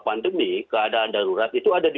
pandemi keadaan darurat itu ada di